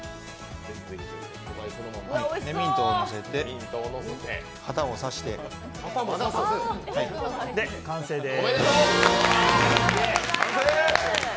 それでミントをのせて、旗を刺して完成です。